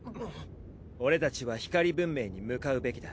俺たちは光文明に向かうべきだ。